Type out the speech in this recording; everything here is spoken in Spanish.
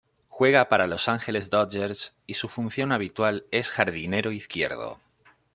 Juega para Los Angeles Dodgers y su posición habitual es jardinero izquierdo.